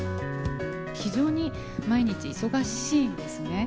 非常に毎日忙しいんですね。